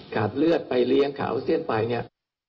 เลือดไปเลี้ยงขาวเส้นไปเนี่ย